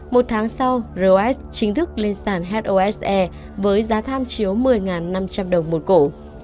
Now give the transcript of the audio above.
một tháng sau ros chính thức lên sàn hose với giá tham chiếu một mươi năm trăm linh đồng một cổ